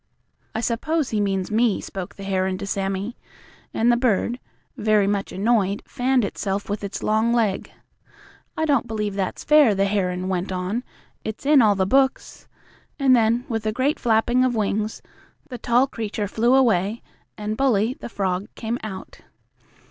"I suppose he means me," spoke the heron to Sammie, and the bird, very much annoyed, fanned itself with its long leg. "I don't believe that's fair," the heron went on. "It's in all the books," and then, with a great flapping of wings, the tall creature flew away, and Bully, the frog, came out.